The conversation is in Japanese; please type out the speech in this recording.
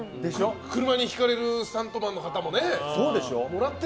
車にひかれるスタントマンの方もね。